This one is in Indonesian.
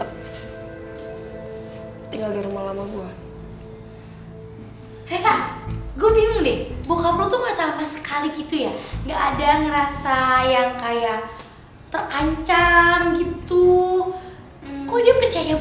cina lo tuh ya bener bener kolot ya